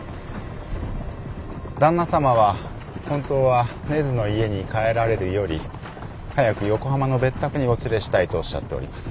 旦那様は本当は根津の家に帰られるより早く横浜の別宅にお連れしたいとおっしゃっております。